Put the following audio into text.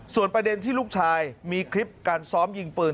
ส่วนประเด็นที่ลูกชายมีคลิปการซ้อมยิงปืน